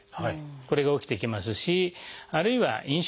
これが起きてきますしあるいはインスリン